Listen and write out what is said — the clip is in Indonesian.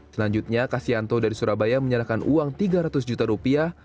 selanjutnya kasianto dari surabaya menyerahkan uang tiga ratus juta rupiah